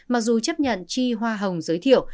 mặc dù chấp nhận chi hoa hồng giới thiệu